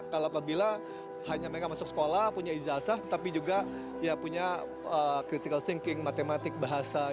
kalau apabila hanya mereka masuk sekolah punya izasah tapi juga ya punya critical thinking matematik bahasa